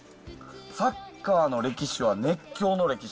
サッカーの歴史は熱狂の歴史。